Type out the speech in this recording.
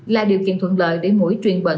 là điều kiện thuận lợi để mũi truyền bệnh